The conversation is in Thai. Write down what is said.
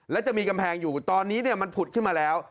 และจะมีกำแพงอยู่ตอนนี้มันผุดขึ้นมาแล้ว